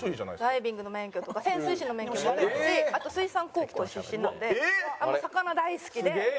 ダイビングの免許とか潜水士の免許も持ってますしあと水産高校出身なので魚大好きで。